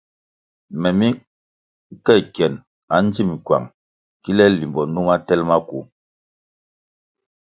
Me mi nke kyenʼ andzim kywang kile limbo numa tel maku.